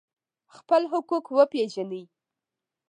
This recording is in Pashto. خپل حقوق وپیژنئ